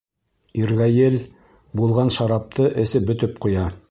Иргәйел булған шарапты эсеп бөтөп ҡуя.